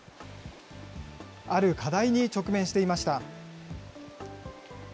ある課題に直面していました。